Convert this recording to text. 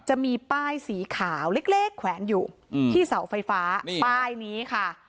จะมีป้ายสีขาวเล็กแขวนอยู่ที่เสาไฟฟ้าป้ายนี้ค่ะ